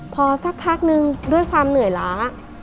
พอสักพักนึงด้วยความเหนื่อยล้า